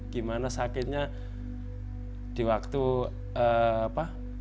gimana sakitnya di waktu apa